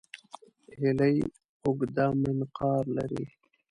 هیلۍ اوږده منقار لري